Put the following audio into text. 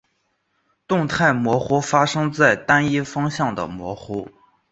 动态模糊发生在单一方向的模糊。